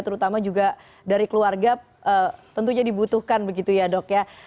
terutama juga dari keluarga tentunya dibutuhkan begitu ya dok ya